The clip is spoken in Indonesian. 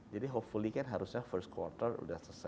jadi hopefully kan harusnya first quarter sudah selesai